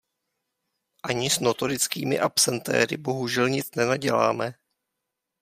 Ani s notorickými absentéry bohužel nic nenaděláme.